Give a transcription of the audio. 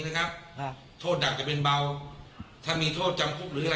นะครับอ่าโทษหนักจะเป็นเบาถ้ามีโทษจำคุกหรืออะไร